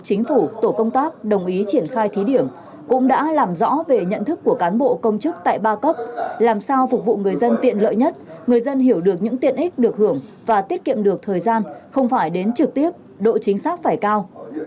chính phủ tổ công tác đồng ý triển khai thí điểm cũng đã làm rõ về nhận thức của cán bộ công chức tại ba cấp làm sao phục vụ người dân tiện lợi nhất người dân hiểu được những tiện ích được hưởng và tiết kiệm được thời gian không phải đến trực tiếp độ chính xác phải cao